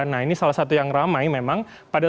nah ini salah satu yang ramai memang pada